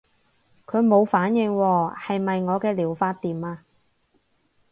佢冇反應喎，係咪我嘅療法掂啊？